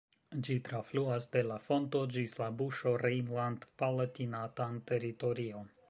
Ĝi trafluas de la fonto ĝis la buŝo rejnland-Palatinatan teritorion.